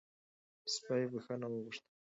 سپي بښنه غوښته